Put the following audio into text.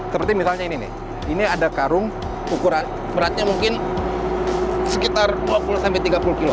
seperti misalnya ini nih ini ada karung ukuran beratnya mungkin sekitar dua puluh sampai tiga puluh kilo